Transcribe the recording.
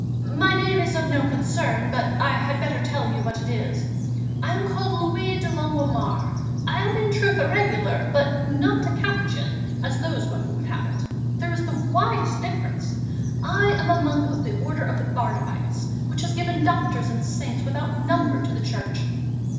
My name is of no concern, but I had better tell you what it is; I am called Louis de Longuemare. I am in truth a Regular; but not a Capuchin, as those women would have it. There is the widest difference; I am a monk of the Order of the Barnabites, which has given Doctors and Saints without number to the Church.